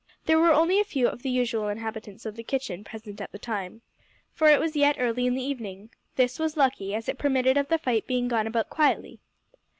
There were only a few of the usual inhabitants of the kitchen present at the time, for it was yet early in the evening. This was lucky, as it permitted of the fight being gone about quietly.